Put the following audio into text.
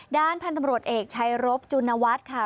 ด้านพันธุ์ตำรวจเอกชัยรบจุณวัฒน์ค่ะ